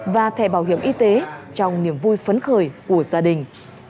và thẻ bảo hiểm y tế trong niềm vui phấn khởi của gia đình